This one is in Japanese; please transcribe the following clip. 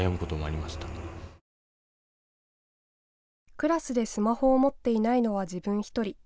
クラスでスマホを持っていないのは自分１人。